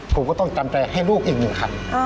ผมก็ต้องตำแปรให้ลูกอีกหนึ่งคัน